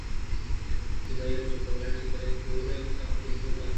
حُدائیں جوؔ ءَ پُگلانی پرے کوٛار کوٛار ءَ سکّ کندگ اتک